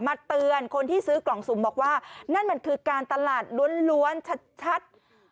เตือนคนที่ซื้อกล่องสุ่มบอกว่านั่นมันคือการตลาดล้วนชัด